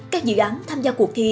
các dự án tham gia cuộc thi